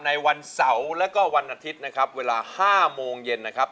ในวันเสาร์แล้วก็วันอาทิตย์นะครับเวลา๕โมงเย็นนะครับ